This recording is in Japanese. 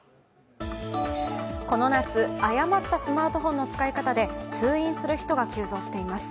この夏、誤ったスマートホンの使い方で通院する人が急増しています。